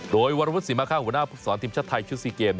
โดยวรพุธสิมค่าหัวหน้าภูมิสอนทีมชาติไทยชุดซีเกม